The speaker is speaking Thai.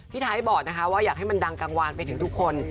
ไทยบอกนะคะว่าอยากให้มันดังกังวานไปถึงทุกคน